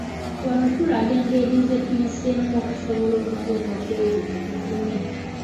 Wano tulaga engeri ze tuyiseemu okusobola okutuuka ku ekyo kye tufunye.